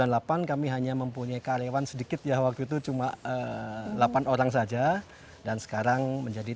jadi apa yang akan kamu lakukan dengannya